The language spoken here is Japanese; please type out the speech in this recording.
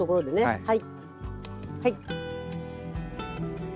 はい。